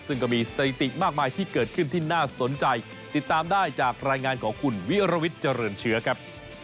ซึ่งก็มีสถิติมากมายที่เกิดขึ้นที่น่าสนใจติดตามได้จากรายงานของคุณวิรวิทย์เจริญเชื้อครับ